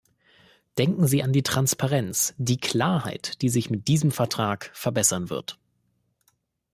Denken Sie an die Transparenz, die Klarheit, die sich mit diesem Vertrag verbessern wird.